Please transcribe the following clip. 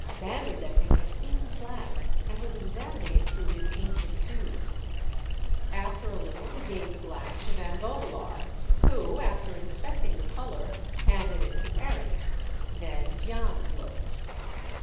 Vanderdecken had seen the flag, and was examining it through his ancient tubes. After a little he gave the glass to Van Vogelaar, who, after inspecting the colour, handed it to Arents ; then Jans looked.